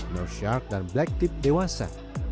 north shark dan blacktip dewasa